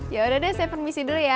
ya udah deh saya permisi dulu ya